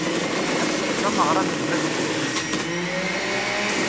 Ass-a d tameɣra n lbaz d temtilt-is